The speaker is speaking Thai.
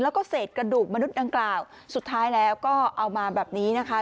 แล้วก็เศษกระดูกมนุษย์ดังกล่าวสุดท้ายแล้วก็เอามาแบบนี้นะคะ